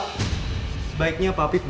sebaiknya pak fit jangan dulu masuk ke ruangan